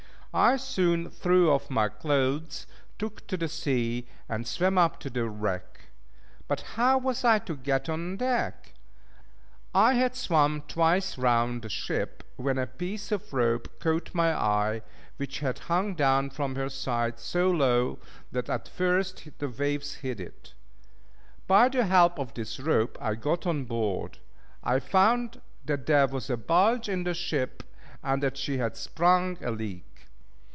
I soon threw off my clothes, took to the sea, and swam up to the wreck. But how was I to get on deck? I had swam twice round the ship, when a piece of rope, caught my eye, which hung down from her side so low, that at first the waves hid it. By the help of this rope I got on board. I found that there was a bulge in the ship, and that she had sprung a leak.